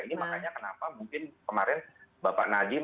ini makanya kenapa mungkin kemarin bapak najib